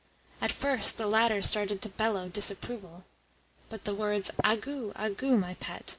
At first the latter started to bellow disapproval, but the words "Agoo, agoo, my pet!"